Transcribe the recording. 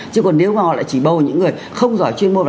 chứ còn nếu mà họ lại chỉ bầu những người không giỏi chuyên môn nào